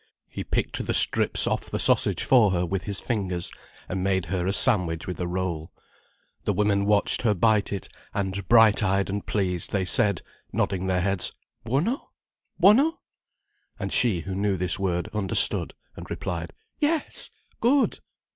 He picked the strips off the sausage for her with his fingers, and made her a sandwich with a roll. The women watched her bite it, and bright eyed and pleased they said, nodding their heads— "Buono? Buono?" And she, who knew this word, understood, and replied: "Yes, good!